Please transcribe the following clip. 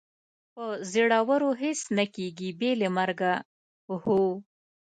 په زړورو هېڅ نه کېږي، بې له مرګه، هو.